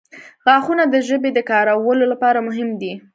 • غاښونه د ژبې د کارولو لپاره مهم دي.